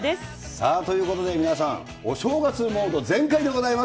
さあ、ということで皆さん、お正月モード全開でございます。